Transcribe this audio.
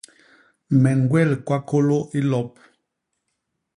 Me ñgwel kwakôlô i lop.